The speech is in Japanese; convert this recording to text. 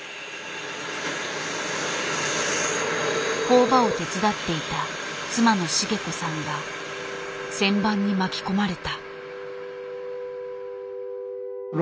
工場を手伝っていた妻の茂子さんが旋盤に巻き込まれた。